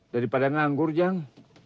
daripada nganggur jang